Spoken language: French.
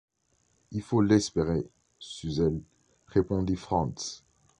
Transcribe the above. Il faut l’espérer, Suzel, » répondit Frantz.